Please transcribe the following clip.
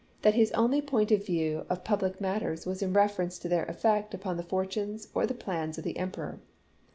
that his only point of view of public matters was in reference to their effect upon the fortunes or the plans of the Emperor.